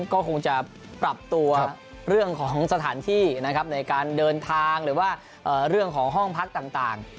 ก็คงจะปรับตัวเรื่องของสถานที่นะครับในการเดินทางหรือว่าเรื่องของห้องพักต่าง